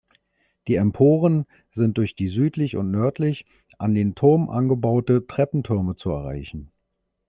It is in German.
Die Emporen sind durch südlich und nördlich an den Turm angebaute Treppentürme zu erreichen.